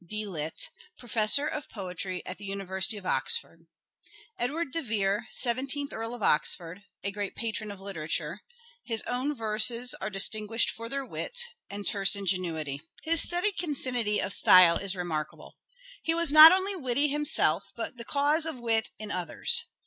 D.Litt. (Professor of Poetry at the Uni versity of Oxford) :—" Edward de Vere, Seventeenth Earl of Oxford, ... a great patron of literature ... His own verses are distinguished for their wit ... and terse ingenuity. ... His studied concinnity of style is remarkable. ... He was not only witty himself but the cause of wit in others.